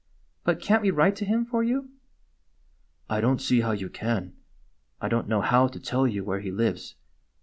But can't we write to him for you?" " I don't see how you can. I don't know how to tell you where he lives.